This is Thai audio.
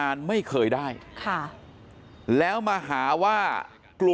มันต้องการมาหาเรื่องมันจะมาแทงนะ